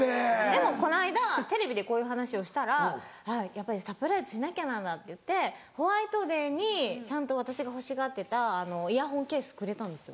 でもこの間テレビでこういう話をしたら「やっぱりサプライズしなきゃなんだ」って言ってホワイトデーにちゃんと私が欲しがってたイヤホンケースくれたんですよ。